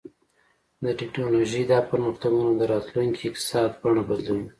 د ټیکنالوژۍ دا پرمختګونه د راتلونکي اقتصاد بڼه بدلوي.